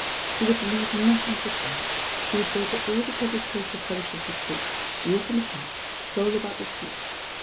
He would leave nothing to chance, he would go to all the public social functions he could, walk in the Park, stroll about the streets.